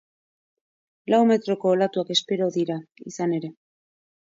Lau metroko olatuak espero dira, izan ere.